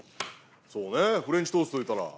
そうねフレンチトーストいうたら。